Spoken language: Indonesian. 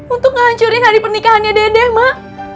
untuk ngancurin hari pernikahannya dede emak